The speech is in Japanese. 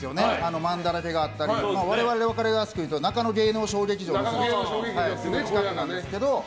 まんだらけがあったり我々芸人から言うと中野芸能小劇場の近くなんですけど。